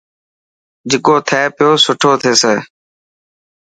جڪو ٿي پيو سٺو هي ٿيي.